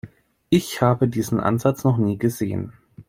Ich habe diesen Ansatz noch nie gesehen.